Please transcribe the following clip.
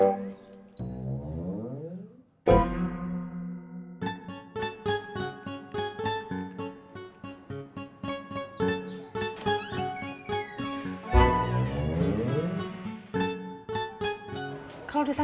orang yang kayak dia